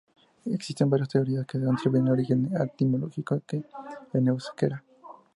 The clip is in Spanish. Existen varias teorías que atribuyen un origen etimológico en euskera.